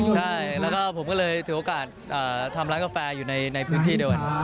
ใช่แล้วก็ผมก็เลยถือโอกาสทำร้านกาแฟอยู่ในพื้นที่เดิม